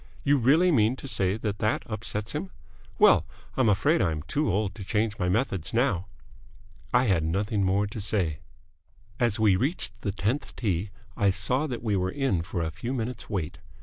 "You really mean to say that that upsets him? Well, I'm afraid I am too old to change my methods now." I had nothing more to say. As we reached the tenth tee, I saw that we were in for a few minutes' wait.